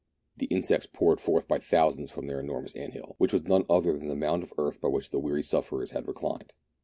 The insects poured forth by thousands from their enormous ant hill, which was none other than the mound of earth by which the weary sufferers had reclined.